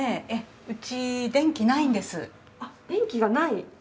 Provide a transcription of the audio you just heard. うちあっ電気がない？